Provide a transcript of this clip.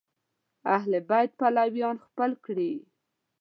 اهل بیت پلویان خپل کړي